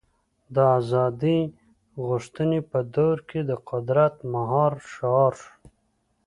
د ازادۍ غوښتنې په دور کې د قدرت مهار شعار شو.